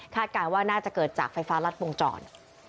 คาดการณ์ว่าน่าจะเกิดจากไฟฟ้ารัดปรุงจร